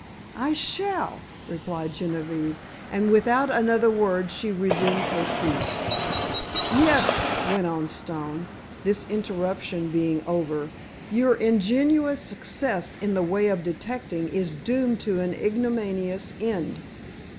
"I shall!" replied Genevieve, and without another word she resumed her seat. "Yes," went on Stone, this interruption being over, "your ingenious 'success' in the way of detecting is doomed to an ignominious end.